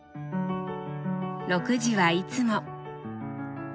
６時はいつも。